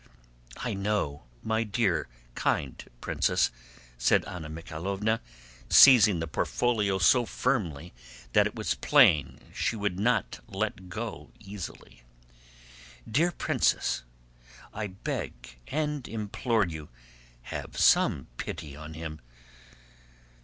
"I know, my dear, kind princess," said Anna Mikháylovna, seizing the portfolio so firmly that it was plain she would not let go easily. "Dear princess, I beg and implore you, have some pity on him!